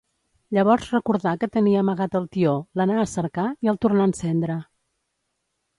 Llavors recordà que tenia amagat el tió, l'anà a cercar i el tornà a encendre.